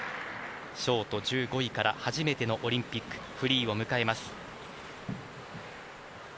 ショート１５位から初めてのオリンピックフリーを迎えます。